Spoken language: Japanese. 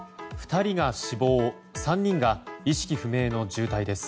２人が死亡３人が意識不明の重体です。